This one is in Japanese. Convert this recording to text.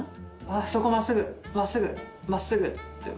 「そこ真っすぐ真っすぐ真っすぐ」って。